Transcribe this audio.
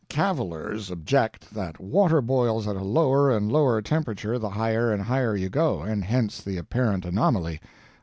Cavilers object that water boils at a lower and lower temperature the higher and higher you go, and hence the apparent anomaly.